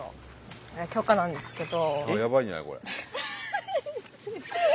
許可なんですけど。